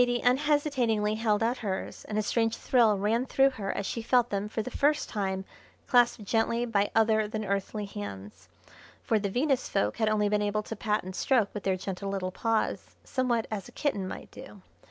_] Zaidie unhesitatingly held out hers, and a strange thrill ran through her as she felt them for the first time clasped gently by other than earthly hands, for the Venus folk had only been able to pat and stroke with their gentle little paws, somewhat as a kitten might do.